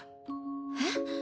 えっ？